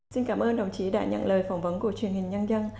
xin cảm ơn đồng chí đã nhận lời phỏng vấn của truyền hình nhân dân